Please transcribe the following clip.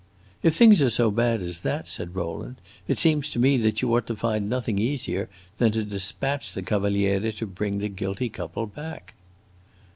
"If things are so bad as that," said Rowland, "it seems to me that you ought to find nothing easier than to dispatch the Cavaliere to bring the guilty couple back."